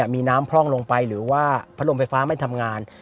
มีน้ำพร่องลงไปหรือว่าพัดลมไฟฟ้าไม่ทำงาน